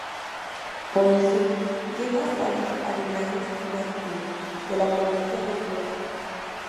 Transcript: Por el sur llega hasta los arenales marítimos de la provincia de Huelva.